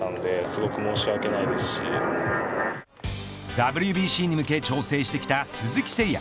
ＷＢＣに向け調整してきた鈴木誠也。